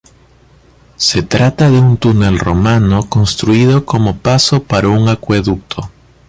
Se trata de un túnel romano construido como paso para un acueducto.